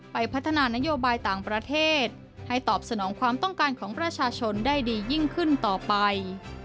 พัฒนานโยบายต่างประเทศให้ตอบสนองความต้องการของประชาชนได้ดียิ่งขึ้นต่อไป